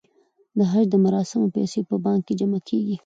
د حج د مراسمو پیسې په بانک کې جمع کیږي.